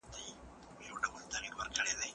جنګونه هم د ټولنپوهنې یوه موضوع ده.